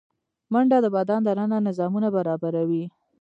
منډه د بدن دننه نظامونه برابروي